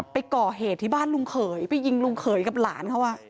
ไปก่อเหตุที่บ้านลุงเขยไปยิงลุงเขยกับหลานเขา